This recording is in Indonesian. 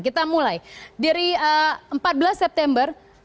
kita mulai dari empat belas september